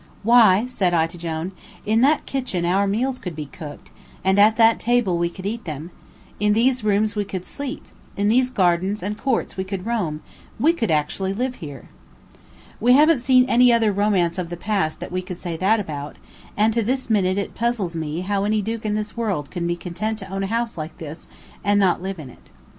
"Why," said I to Jone, "in that kitchen our meals could be cooked; at that table we could eat them; in these rooms we could sleep; in these gardens and courts we could roam; we could actually live here!" We haven't seen any other romance of the past that we could say that about, and to this minute it puzzles me how any duke in this world could be content to own a house like this and not live in it.